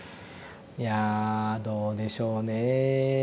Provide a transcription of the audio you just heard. いやぁどうでしょうね。